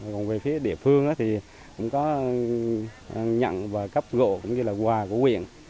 còn về phía địa phương cũng có nhận và cấp gộ cũng ghi là quà của quyền